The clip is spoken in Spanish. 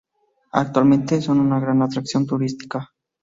Actualmente, son una gran atracción turística.